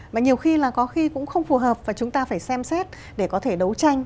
mà nhiều khi là có khi cũng không phù hợp và chúng ta phải xem xét để có thể đấu tranh